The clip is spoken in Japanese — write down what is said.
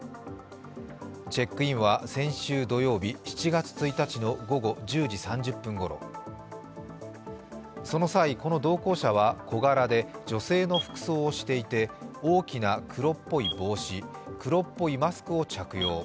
チェックインは先週土曜日７月１日、午後１０時３０分ごろその際、この同行者は小柄で女性の服装をしていて大きな黒っぽい帽子黒っぽいマスクを着用。